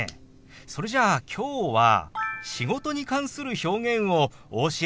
それじゃあきょうは「仕事」に関する表現をお教えしましょう。